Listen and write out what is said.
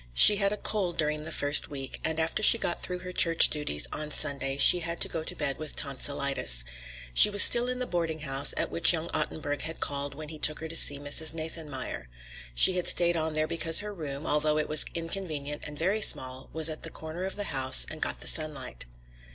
She had a cold during the first week, and after she got through her church duties on Sunday she had to go to bed with tonsilitis. She was still in the boarding house at which young Ottenburg had called when he took her to see Mrs. Nathanmeyer. She had stayed on there because her room, although it was inconvenient and very small, was at the corner of the house and got the sunlight.